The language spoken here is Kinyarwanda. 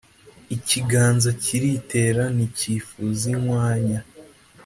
Ikiganza kiritera nticyifuza inkwaya